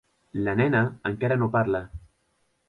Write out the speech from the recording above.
La nena encara no parla.